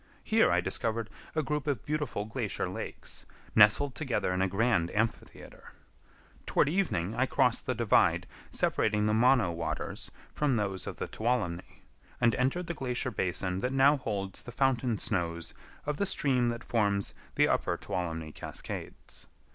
Here I discovered a group of beautiful glacier lakes, nestled together in a grand amphitheater. Toward evening, I crossed the divide separating the Mono waters from those of the Tuolumne, and entered the glacier basin that now holds the fountain snows of the stream that forms the upper Tuolumne cascades.